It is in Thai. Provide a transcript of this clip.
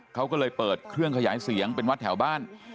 เขาก็เลยเปิดเครื่องขยายเสียงเป็นวัดแถวบ้าน